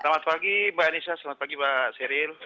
selamat pagi mbak anissa selamat pagi mbak seril